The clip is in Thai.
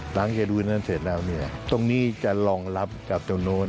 หลังเยดูนั่นเสร็จแล้วตรงนี้จะรองรับกับตรงโน้น